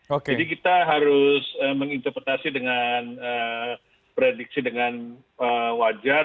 jadi kita harus menginterpretasi dengan prediksi dengan wajar